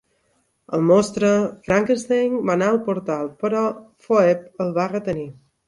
El monstre Frankenstein va anar al portal però Phoebe el va retenir.